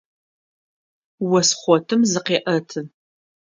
Ос хъотым зыкъеӏэты.